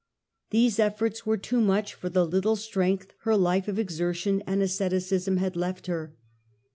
These efforts were too much for the httle strength her Hfe of exertion and ascetism had left her.